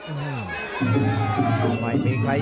ต่อแถนขึ้นมา